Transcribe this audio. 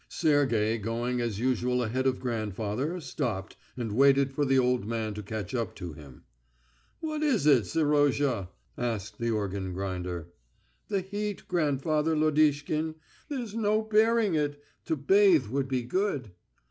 Sergey, going as usual ahead of grandfather, stopped, and waited for the old man to catch up to him. "What is it, Serozha?" asked the organ grinder. "The heat, grandfather Lodishkin ... there's no bearing it! To bathe would be good...."